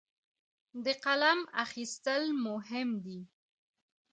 د قلم اخیستل مهم دي.